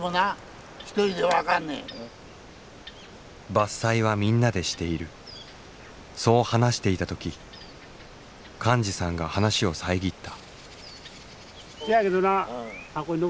伐採はみんなでしているそう話していた時寛司さんが話を遮った。